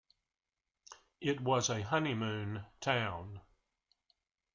It was a honeymoon town.